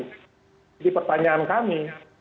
jadi pertanyaan kami